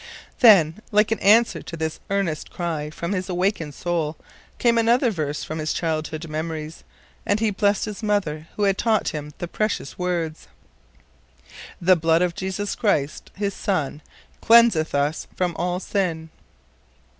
Then, like an answer to this earnest cry from his awakened soul, came another verse from his childhood memories, and he blest his mother who had taught him the precious words: "The blood of Jesus Christ, his son, cleanseth us from all sin."